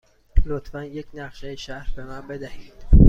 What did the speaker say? لطفاً یک نقشه شهر به من بدهید.